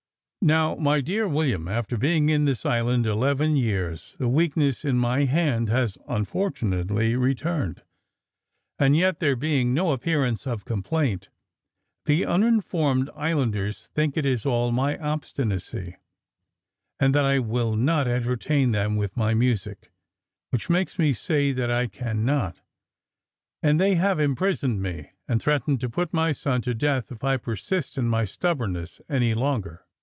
"Now, dear William, after being in this island eleven years, the weakness in my hand has unfortunately returned; and yet there being no appearance of complaint, the uninformed islanders think it is all my obstinacy, and that I will not entertain them with my music, which makes me say that I cannot; and they have imprisoned me, and threaten to put my son to death if I persist in my stubbornness any longer.